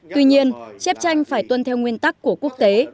tuy nhiên chép tranh phải tuân theo nguyên tắc của quốc tế